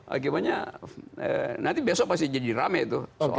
akibanya nanti besok pasti jadi rame itu